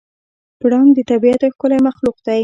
پړانګ د طبیعت یو ښکلی مخلوق دی.